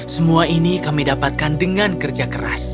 semua ini kami dapatkan dengan kerja keras